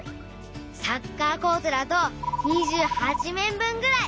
サッカーコートだと２８面分ぐらい。